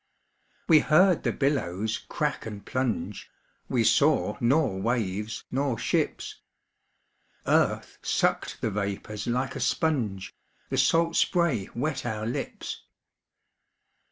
We heard the billows crack and plunge, We saw nor waves nor ships. Earth sucked the vapors like a sponge, The salt spray wet our lips.